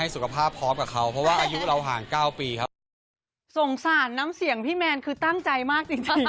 ส่งสารน้ำเสียงพี่แมนคือตั้งใจมากจริง